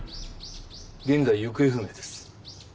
現在行方不明です。